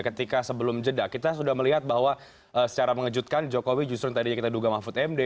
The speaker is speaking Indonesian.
ketika sebelum jeda kita sudah melihat bahwa secara mengejutkan jokowi justru yang tadinya kita duga mahfud md